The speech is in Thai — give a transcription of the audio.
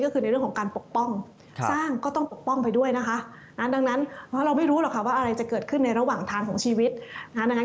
ก็คือในเรื่องของการปกป้องสร้างก็ต้องปกป้องไปด้วย